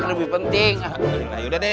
udah deh udah deh